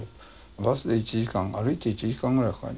バスで１時間歩いて１時間ぐらいかかるんじゃないかな。